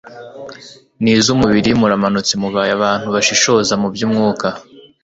nizumubiri muramutse mubaye abantu bashishoza mu byumwuka